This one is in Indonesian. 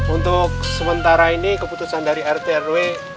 untuk sementara ini keputusan dari rt rw